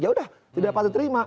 ya udah tidak patut terima